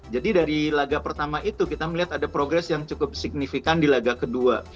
jadi dari laga pertama itu kita melihat ada progres yang cukup signifikan di laga kedua